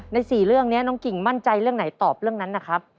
๔เรื่องนี้น้องกิ่งมั่นใจเรื่องไหนตอบเรื่องนั้นนะครับ